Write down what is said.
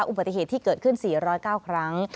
อุบัติเหตุที่เกิดขึ้น๔๐๙ครั้ง